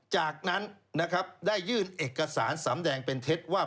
จากนั้นนะครับได้ยื่นเอกสารสำแดงเป็นเท็จว่า